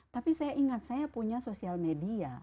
tapi saya ingat saya punya sosial media